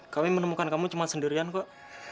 kami menemukan kamu cuma sendirian kok